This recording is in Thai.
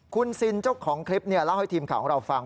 คุณซินเจ้าของคลิปเล่าให้ทีมข่าวของเราฟัง